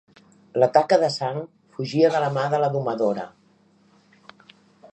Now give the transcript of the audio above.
La taca de sang fugia de la mà de la domadora;